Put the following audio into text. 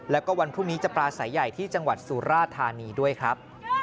แล้วก็วันพรุ่งนี้จะปลาสายใหญ่ที่จังหวัดสุราธานีด้วยครับ